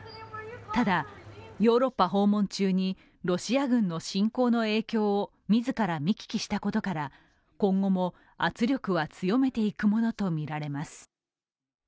ただ、ヨーロッパ訪問中にロシア軍の侵攻の影響を自ら見聞きしたことから、今後も圧力は強めていくものとみられます。